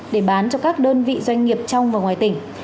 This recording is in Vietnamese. để bán cho các đơn vị doanh nghiệp trong và ngoài tỉnh